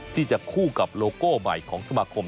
ที่จะคู่กับโลโก้ใหม่ของสมาคม